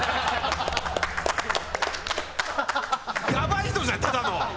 やばい人じゃんただの。